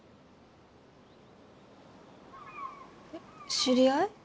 知り合い？